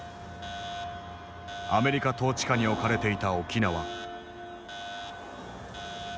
アメリカ統治下に置かれていた沖縄。